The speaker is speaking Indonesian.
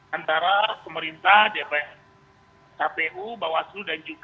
antara pemerintah dpr kpu bawaslu dan juga